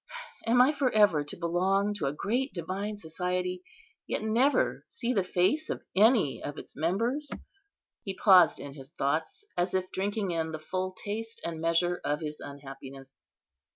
am I for ever to belong to a great divine society, yet never see the face of any of its members?" He paused in his thoughts, as if drinking in the full taste and measure of his unhappiness.